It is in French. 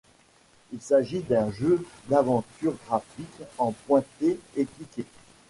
Il s'agit d'un jeu d'aventure graphique en pointer-et-cliquer.